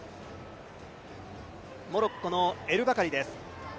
モロッコのエル・バカリです。